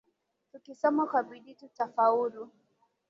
Tukisoma kwa bidi tutafaulu.